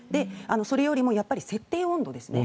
それよりもやっぱり設定温度ですね。